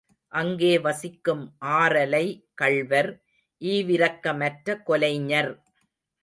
அங்கே வசிக்கும் ஆறலை கள்வர் ஈவிரக்கமற்ற கொலைஞர்.